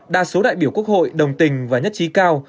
đa số đại biểu quốc hội đồng tình và nhất trí cao